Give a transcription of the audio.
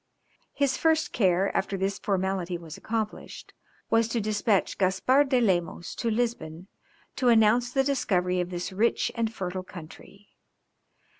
His first care after this formality was accomplished was to despatch Gaspard de Lemos to Lisbon, to announce the discovery of this rich and fertile country.